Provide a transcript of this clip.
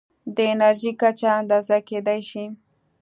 د انرژۍ کچه اندازه کېدای شي.